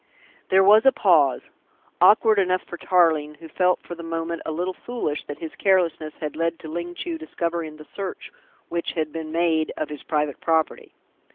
There was a pause, awkward enough for Tarling, who felt for the moment a little foolish that his carelessness had led to Ling Chu discovering the search which had been made of his private property.